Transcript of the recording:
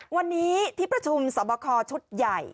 วันนี้ที่ประชุมสอบคอชุดใหญ่